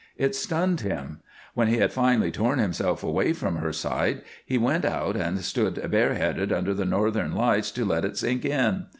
It stunned him. When he had finally torn himself away from her side he went out and stood bareheaded under the northern lights to let it sink in.